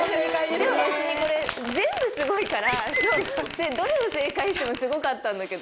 でも別にこれ全部すごいからどれが正解してもすごかったんだけど。